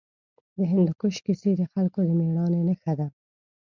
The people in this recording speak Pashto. د هندوکش کیسې د خلکو د مېړانې نښه ده.